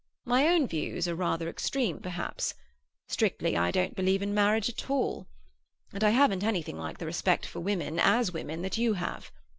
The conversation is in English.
My own views are rather extreme, perhaps; strictly, I don't believe in marriage at all. And I haven't anything like the respect for women, as women, that you have.